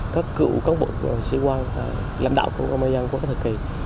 các cựu các bộ sĩ quan lãnh đạo công an dân của các thời kỳ